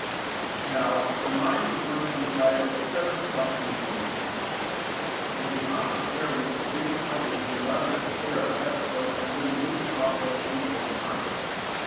Now, the mine was going to be fired at seven o'clock in the evening. One does not pre pare with great trouble an elaborate affair of that sort and then loose it off at any old time.